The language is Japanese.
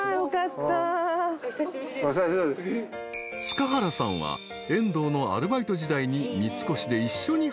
［塚原さんは遠藤のアルバイト時代に］